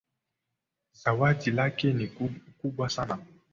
Zawadi lake ni kubwa sana.